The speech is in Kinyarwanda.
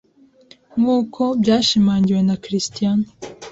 nkuko byashimangiwe na Cristiano